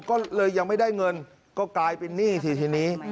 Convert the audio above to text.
ก็เลยยังไม่ได้เงินก็กลายเป็นหนี้สิทีนี้